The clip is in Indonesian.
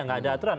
tidak ada aturan